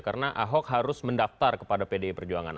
karena ahok harus mendaftar kepada pdi perjuangan